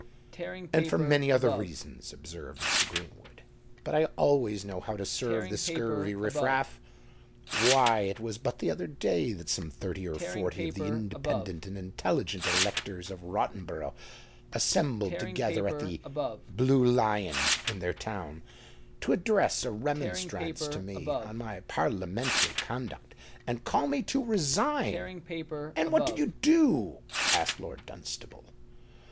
"And for many other reasons," observed Mr. Greenwood. "But I always know how to serve the scurvy riff raff. Why, it was but the other day that some thirty or forty of the independent and intelligent electors of Rottenborough assembled together at the Blue Lion in their town, to address a remonstrance to me on my parliamentary conduct, and call upon me to resign." "And what did you do?" asked Lord Dunstable.